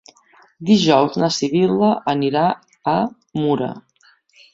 Dijous na Sibil·la anirà a Mura.